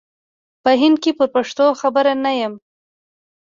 په هند کې پر پېښو خبر نه یم.